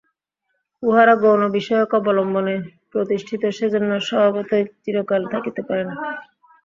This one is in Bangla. উহারা গৌণবিষয় অবলম্বনে প্রতিষ্ঠিত, সেজন্য স্বভাবতই চিরকাল থাকিতে পারে না।